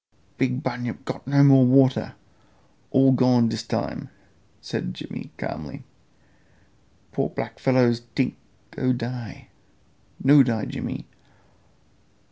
"Big bunyip got no more water. All gone dis time," said Jimmy calmly. "Poor black fellows tink go die. No die Jimmy.